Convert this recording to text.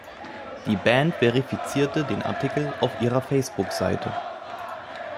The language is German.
Die Band verifizierte den Artikel auf ihrer Facebook-Seite.